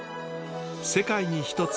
世界に一つ